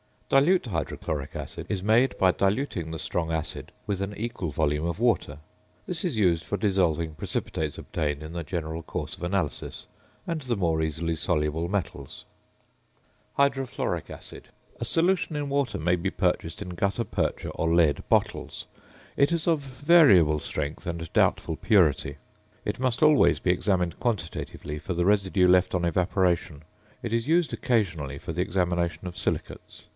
~Dilute Hydrochloric Acid~ is made by diluting the strong acid with an equal volume of water. This is used for dissolving precipitates obtained in the general course of analysis and the more easily soluble metals. ~Hydrofluoric Acid, HF.~ A solution in water may be purchased in gutta percha or lead bottles. It is of variable strength and doubtful purity. It must always be examined quantitatively for the residue left on evaporation. It is used occasionally for the examination of silicates.